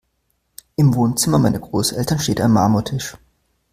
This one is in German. Im Wohnzimmer meiner Großeltern steht ein Marmortisch.